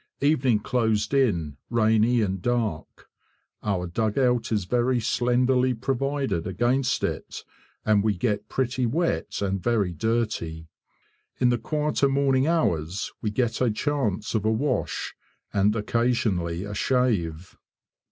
Evening closed in rainy and dark. Our dugout is very slenderly provided against it, and we get pretty wet and very dirty. In the quieter morning hours we get a chance of a wash and occasionally a shave.